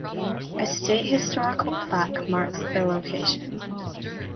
A state historical plaque marks the location.